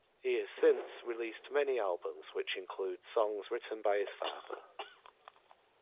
He has since released many albums which include songs written by his father.